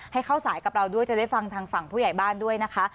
ให้เข้าสายกับเราด้วยจะได้ฟังทางฝั่งผู้ใหญ่บ้านด้วยนะคะ